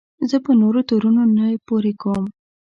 زه په نورو تورونه نه پورې کوم.